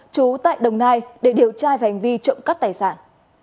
chú tại đồng nai để điều tra về hành vi trộm cắt tài sản